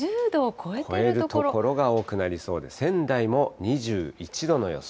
超える所が多くなりそうで、仙台も２１度の予想。